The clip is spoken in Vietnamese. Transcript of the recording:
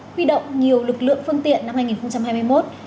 huy động nhiều lực lượng phương tiện năm hai nghìn hai mươi một